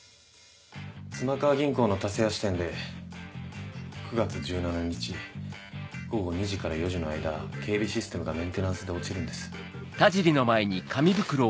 妻川銀行の田勢谷支店で９月１７日午後２時から４時の間警備システムがメンテナンスで落ちるんです。